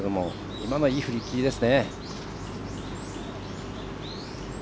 今のは、いい振り切りですね。